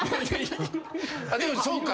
でもそうか。